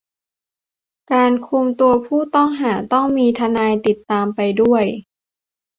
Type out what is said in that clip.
การคุมตัวผู้ต้องหา ต้องมีทนายติดตามไปด้วย